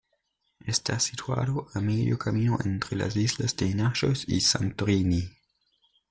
Está situada a medio camino entre las islas de Naxos y Santorini.